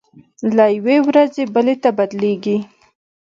له ورځې بلې ته بدلېږي.